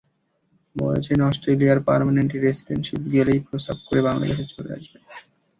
বলছেন, অস্ট্রেলিয়ার permanent residentship পেলেই প্রস্রাব করে বাংলাদেশ চলে যাবেন।